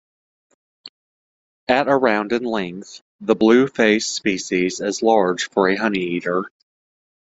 At around in length, the blue-faced species is large for a honeyeater.